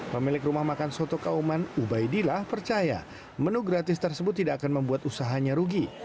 pemilik rumah makan soto kauman ubaidillah percaya menu gratis tersebut tidak akan membuat usahanya rugi